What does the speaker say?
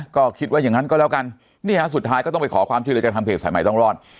ก็คิดว่าอย่างนั้นก็แล้วกันนี่ฮะสุดท้ายก็ต้องไปขอความช่วยเหลือจากทางเพจสายใหม่ต้องรอด